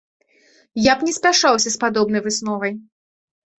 Я б не спяшаўся з падобнай высновай.